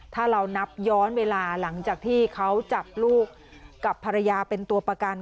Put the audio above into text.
ถ้าเรานับย้อนเวลาหลังจากที่เขาจับลูกกับภรรยาเป็นตัวประกัน